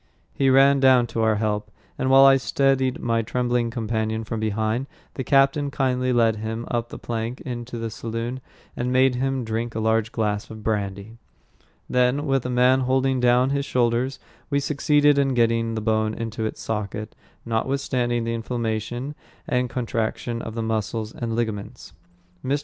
He ran down to our help, and while I steadied my trembling companion from behind, the captain kindly led him up the plank into the saloon, and made him drink a large glass of brandy. Then, with a man holding down his shoulders, we succeeded in getting the bone into its socket, notwithstanding the inflammation and contraction of the muscles and ligaments. Mr.